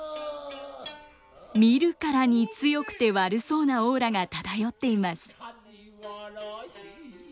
見るからに強くて悪そうなオーラが漂っています。